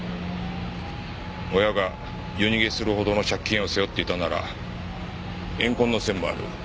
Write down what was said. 親が夜逃げするほどの借金を背負っていたなら怨恨の線もある。